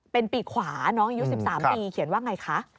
เป็นปีขวาเนอะอายุ๑๓ปีเขียนว่าอย่างไรคะ